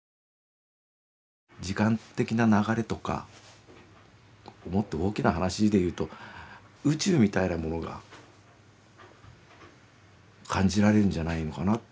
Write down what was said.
時間的な流れとかもっと大きな話で言うと宇宙みたいなものが感じられるんじゃないのかなと。